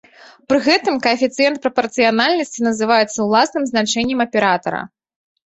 Пры гэтым каэфіцыент прапарцыянальнасці называецца ўласным значэннем аператара.